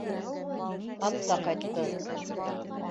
Ат-та ҡайтты.